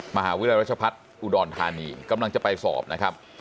มหาวิทยาลัยรัชพัฒน์อุดรธานีกำลังจะไปสอบนะครับ